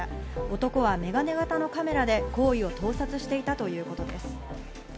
男はメガネ型のカメラで行為を盗撮していたということです。